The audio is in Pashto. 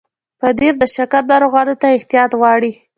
پنېر د شکر ناروغانو ته احتیاط غواړي.